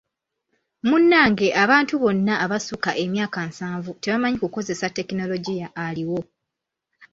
Munnange abantu bonna abasukka emyaka nsanvu tebamanyi kukozesa tekinologiya aliwo.